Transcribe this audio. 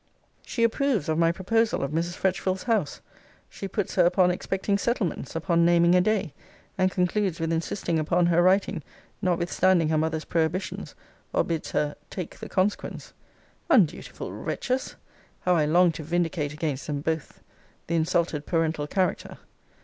She approves of my proposal of Mrs. Fretchville's house. She puts her upon expecting settlements; upon naming a day: and concludes with insisting upon her writing, notwithstanding her mother's prohibitions; or bids her 'take the consequence.' Undutiful wretches! How I long to vindicate against them both the insulted parental character!